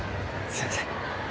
すいません。